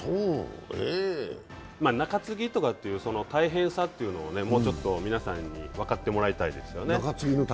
中継ぎとかという大変さというのをもうちょっと皆さんに分かってもらいたいですよね。